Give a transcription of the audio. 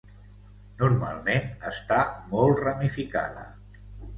Normalment està molt ramificada.